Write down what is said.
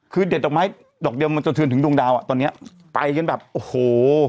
คือเด็ดดอกไม้ดอกเดียวมันจะเทือนถึงดวงดาวอ่ะตอนเนี้ยไปกันแบบโอ้โห